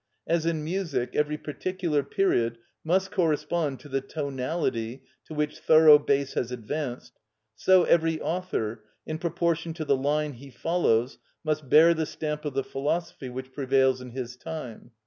As in music every particular period must correspond to the tonality to which thorough bass has advanced, so every author, in proportion to the line he follows, must bear the stamp of the philosophy which prevails in his time.